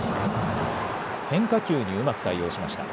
変化球にうまく対応しました。